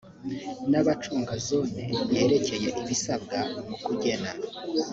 n abacunga zone yerekeye ibisabwa mu kugena